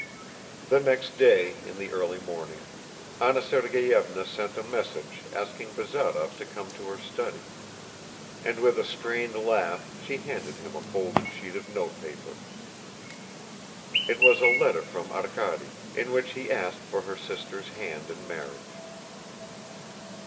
The next day in the early morning, Anna Sergeyevna sent a message asking Bazarov to come to her study, and with a strained laugh she handed him a folded sheet of notepaper. It was a letter from Arkady, in which he asked for her sister's hand in marriage.